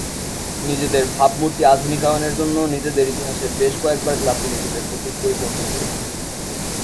নিজেদের ভাবমূর্তি আধুনিকায়নের জন্য নিজেদের ইতিহাসে বেশ কয়েকবার ক্লাবটি নিজেদের প্রতীক পরিবর্তন করেছে।